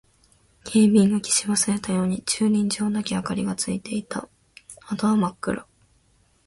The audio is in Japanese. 警備員が消し忘れたように駐輪場だけ明かりがついていた。あとは真っ暗。